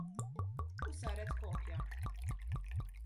U saret kopja.